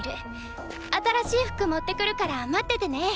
新しい服持ってくるから待っててね。